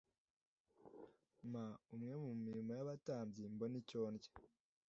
mpa umwe mu mirimo y abatambyi mbone icyo ndya